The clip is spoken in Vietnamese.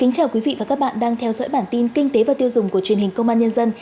chào mừng quý vị đến với bản tin kinh tế và tiêu dùng của truyền hình công an nhân dân